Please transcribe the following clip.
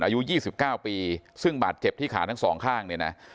อายุ๒๙ปีซึ่งบาดเจ็บที่ขาทั้งสองข้างเนี่ยนะ